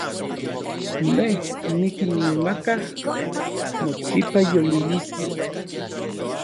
Nej nikinmaka nochipa yolilistli.